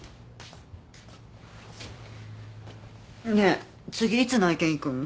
ねえ次いつ内見行くん？